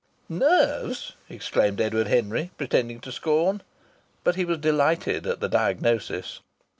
"Nerves!" exclaimed Edward Henry, pretending to scorn. But he was delighted at the diagnosis.